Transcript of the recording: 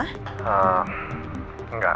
ehm enggak pak